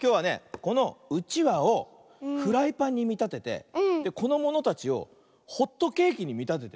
このうちわをフライパンにみたててこのものたちをホットケーキにみたててね